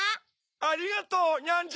ありがとうニャンジャ。